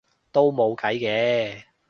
都冇計嘅